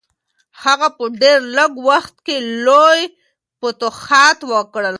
هغه په ډېر لږ وخت کې لوی فتوحات وکړل.